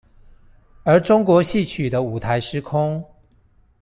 而中國戲曲的舞臺時空